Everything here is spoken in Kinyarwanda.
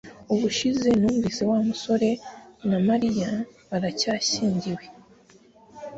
Ubushize numvise Wa musore na Mariya baracyashyingiwe